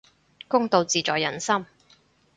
公道自在人心